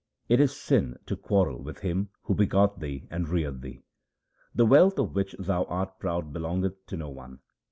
It is a sin to quarrel with him who begot thee and reared thee. The wealth of which thou art proud belongeth to no one.